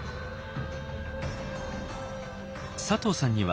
佐藤さんには